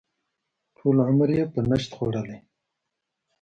ټول عمر یې په نشت خوړلی.